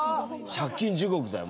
借金地獄だよ